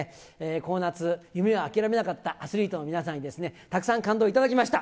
この夏、夢を諦めなかったアスリートの皆さんに、たくさん感動を頂きました。